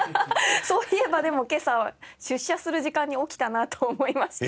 そういえばでも今朝は出社する時間に起きたなと思いまして。